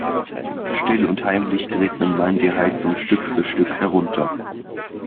Still und heimlich dreht mein Mann die Heizung Stück für Stück herunter.